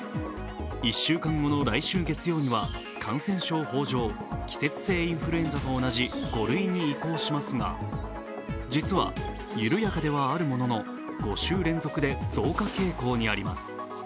１週間後の来週月曜には感染症法上季節性インフルエンザと同じ５類に移行しますが、実は緩やかではあるものの５週連続で増加傾向にあります。